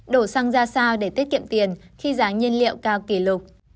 đổ xăng ra sao để tiết kiệm tiền khi giá nhiên liệu cao kỷ lục